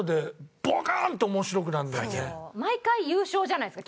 毎回優勝じゃないですか。